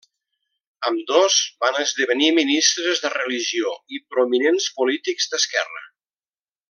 Ambdós van esdevenir ministres de religió i prominents polítics d'esquerra.